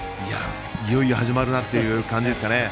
いよいよ始まるなっていう感じですかね。